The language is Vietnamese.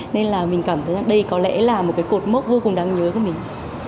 nên là mình cảm thấy đây có lẽ là một cột mốc vô cùng đáng nhớ của mình